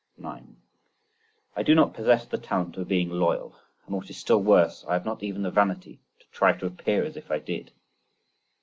9. I do not possess the talent of being loyal, and what is still worse, I have not even the vanity to try to appear as if I did.